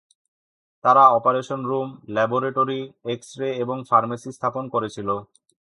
তারা operation room, laboratory, x-ray এবং pharmacy স্থাপন করেছিল।